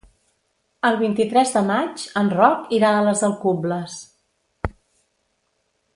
El vint-i-tres de maig en Roc irà a les Alcubles.